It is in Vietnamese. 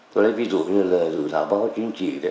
tôi lấy ví dụ như là rủi thảo văn hóa chính trị đấy